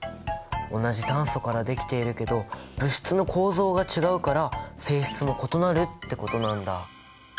同じ炭素からできているけど物質の構造が違うから性質も異なるってことなんだ。